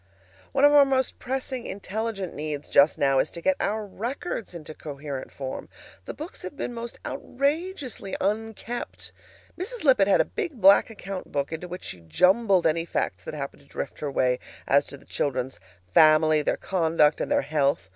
One of our most pressing INTELLIGENT needs just now is to get our records into coherent form. The books have been most outrageously unkept. Mrs. Lippett had a big black account book into which she jumbled any facts that happened to drift her way as to the children's family, their conduct, and their health.